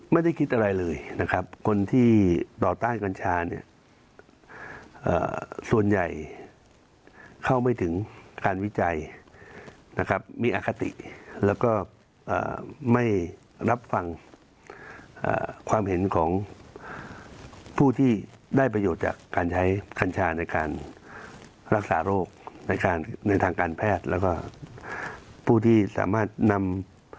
ไม่ได้คิดอะไรเลยนะครับคนที่ต่อต้านกัญชาเนี่ยส่วนใหญ่เข้าไม่ถึงการวิจัยนะครับมีอคติแล้วก็ไม่รับฟังความเห็นของผู้ที่ได้ประโยชน์จากการใช้กัญชาในการรักษาโรคในการในทางการแพทย์แล้วก็ผู้ที่สามารถนำ